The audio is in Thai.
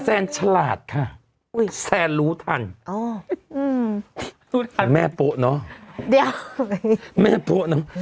แซนฉลาดค่ะอุ้ยแซนรู้ทันอ๋ออืมแม่โป๊ะเนอะเดี๋ยวแม่โป๊ะเนอะ